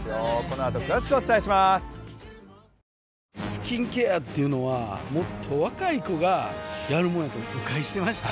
スキンケアっていうのはもっと若い子がやるもんやと誤解してました